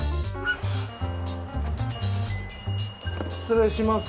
失礼します。